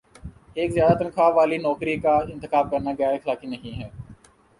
ایک زیادہ تنخواہ والی نوکری کا انتخاب کرنا غیراخلاقی نہیں ہے